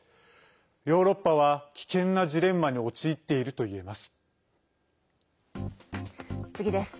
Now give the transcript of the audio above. ヨーロッパは危険なジレンマに陥っているといえます。